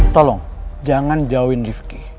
tolong jangan jauhin rifki